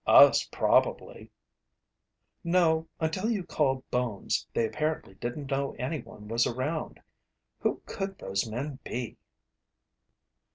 "Us probably." "No, until you called Bones, they apparently didn't know anyone was around. Who could those men be?"